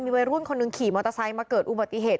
มีร่วงคนขี่มอเตอร์ไซต์เบาอุบัติเหตุ